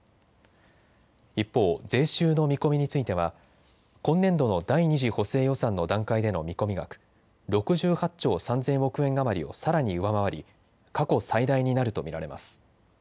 一方、税収の見込みについては今年度の第２次補正予算の段階での見込み額、６８兆３０００億円余りをさらに上回り過去最大になると見られます。